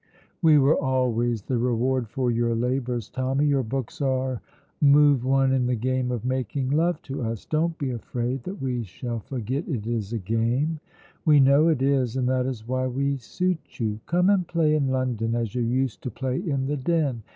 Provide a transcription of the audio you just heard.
We were always the reward for your labours, Tommy; your books are move one in the game of making love to us; don't be afraid that we shall forget it is a game; we know it is, and that is why we suit you. Come and play in London as you used to play in the Den.